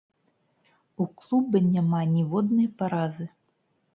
У клуба няма ніводнай паразы.